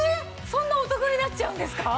そんなお得になっちゃうんですか？